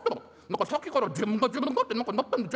何かさっきから自分が自分がってなってました。